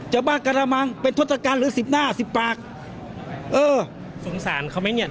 บ้ากระมังเป็นทศกัณหรือสิบหน้าสิบปากเออสงสารเขาไหมเนี่ย